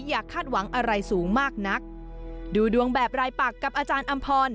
อย่าคาดหวังอะไรสูงมากนักดูดวงแบบรายปักกับอาจารย์อำพร